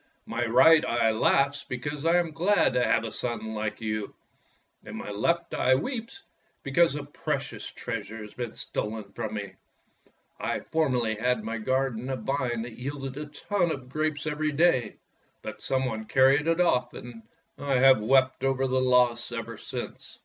My right eye laughs because I am glad to have a son like you, and my left eye weeps because a precious treasure has been stolen from me. I formerly had in my garden a vine that yielded a ton of grapes every day, but some one carried it off, and I have wept over its loss ever since.